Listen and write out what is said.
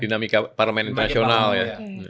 dinamika parlemen internasional ya